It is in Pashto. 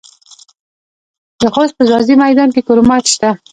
د خوست په ځاځي میدان کې کرومایټ شته.